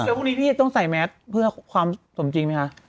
เดี๋ยวพรุ่งนี้พี่ต้องใส่แมสเพื่อความสมจริงไหมคะ